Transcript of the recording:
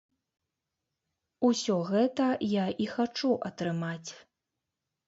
Усё гэта я і хачу атрымаць.